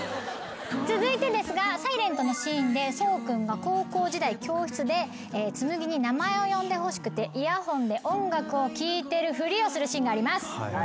続いてですが『ｓｉｌｅｎｔ』のシーンで想君が高校時代教室で紬に名前を呼んでほしくてイヤホンで音楽を聴いてるふりをするシーンがあります。